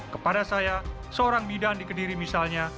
kepada saya seorang bidan di kediri misalnya